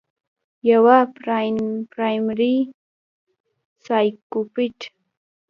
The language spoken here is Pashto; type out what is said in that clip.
يوه پرائمري سايکوپېت